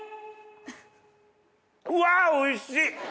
うわおいしい！